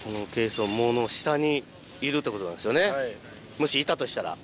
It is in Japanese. もしいたとしたら。